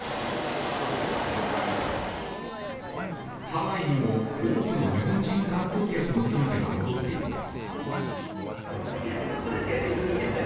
ハワイにも多くの日本人観光客の姿が戻っています。